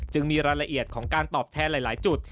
มีรายละเอียดของการตอบแทนหลายจุด